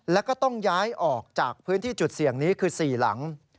แล้วก็ต้องย้ายออกจากพื้นที่จุดเสี่ยงนี้คือ๔หลัง